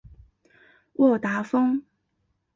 沃达丰